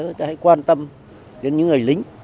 là chúng ta hãy quan tâm đến những người lính